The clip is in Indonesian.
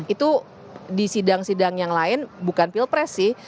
itu di sidang sidang yang lain bukan pilpres sih